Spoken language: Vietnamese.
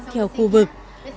theo khu vực